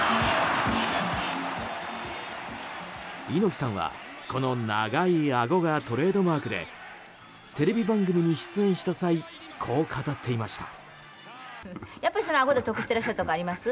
猪木さんはこの長いあごがトレードマークでテレビ番組に出演した際こう語っていました。